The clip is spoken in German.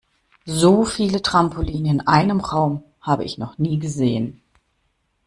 So viele Trampoline in einem Raum habe ich noch nie gesehen.